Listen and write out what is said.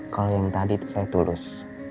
kalau yang tadi itu saya tulus